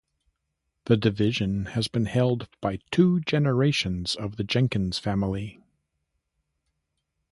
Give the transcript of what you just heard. The Division has been held by two generations of the Jenkins family.